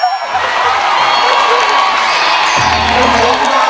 ร้องได้ร้องได้